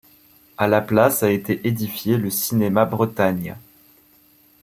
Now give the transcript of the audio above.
À la place a été édifié le cinéma Bretagne.